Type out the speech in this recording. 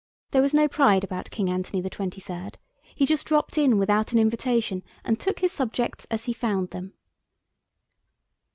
There was no pride about King Anthony XXIII. He just dropped in without an invitation and took his subjects as he found them.